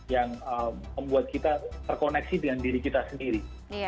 yang membuat kita terkoneksi dengan diri kita sendiri